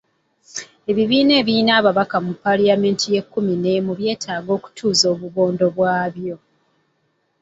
Ebibiina ebirina ababaka mu Palamenti y'ekkumi n'emu byetaaga okutuuza obubondo bwabyo